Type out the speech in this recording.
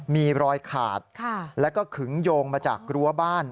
มีรอยขาดแล้วก็ขึงโยงมาจากรั้วบ้าน